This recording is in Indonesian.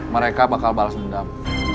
mereka bakal balas dendam